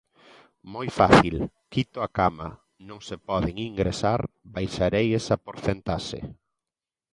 Moi fácil, quito a cama, non se poden ingresar, baixarei esa porcentaxe.